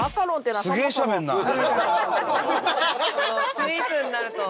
スイーツになると。